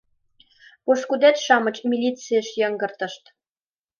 — Пошкудет-шамыч милицийыш йыҥгыртышт.